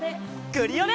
クリオネ！